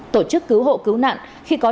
tổ chức cứu hộ cứu nạn khi có